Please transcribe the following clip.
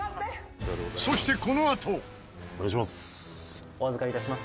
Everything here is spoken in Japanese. そして、このあと！富澤：お願いします。